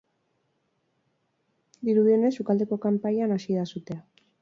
Dirudienez, sukaldeko kanpaian hasi da sutea.